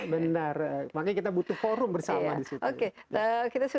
benar makanya kita butuh forum bersama disitu